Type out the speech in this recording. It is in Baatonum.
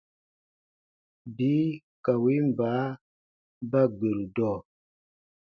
Bii ka win baa ba gberu dɔɔ.